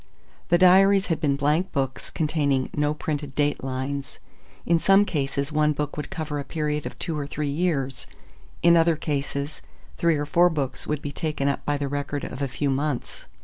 The diaries had been blank books containing no printed date lines. In some cases one book would cover a period of two or three years, in other cases three or four books would be taken up by the record of a few months.